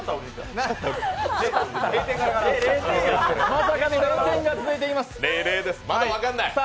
まさかの０点が続いています。